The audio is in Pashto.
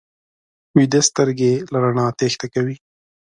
ویده سترګې له رڼا تېښته کوي